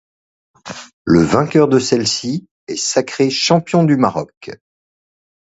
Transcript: Le vainqueur de celle-ci est sacré champion du Maroc.